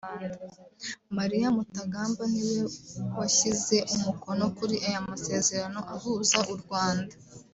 Maria Mutagamba ni we washyize umukono kuri aya masezerano ahuza u Rwanda